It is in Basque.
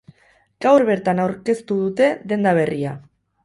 Gaur bertan aurkeztu dute denda berria.